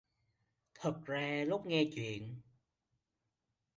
Thực ra lúc nghe chuyện